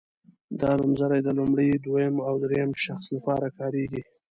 دا نومځري د لومړي دویم او دریم شخص لپاره کاریږي.